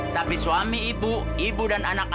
tapi suami ibu ibu dan anaknya